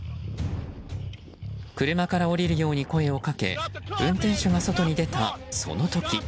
車から降りるように声をかけ運転手が外に出たその時。